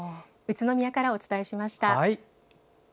宇都宮からお伝えしました。